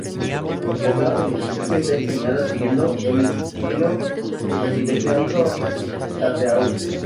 La portada del edificio está diseñada siguiendo el estilo arquitectónico château.